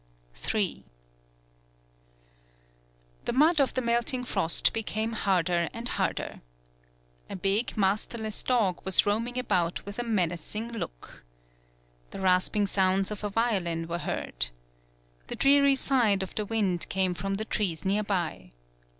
92 THE BILL COLLECTING III The mud of the melting frost became harder and harder. A big, masterless dog was roaming about with a menacing look. The rasping sounds of a violin were heard. The dreary sigh of the wind came from the trees near by.